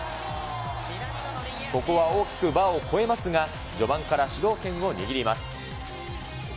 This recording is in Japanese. ここは大きくバーを越えますが、序盤から主導権を握ります。